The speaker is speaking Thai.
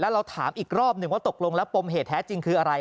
เราถามอีกรอบหนึ่งว่าตกลงแล้วปมเหตุแท้จริงคืออะไร